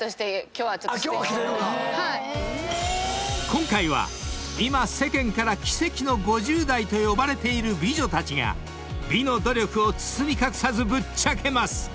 ［今回は今世間から奇跡の５０代と呼ばれている美女たちが美の努力を包み隠さずぶっちゃけます］